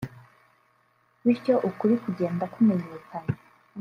bityo ukuri kugenda kumenyekana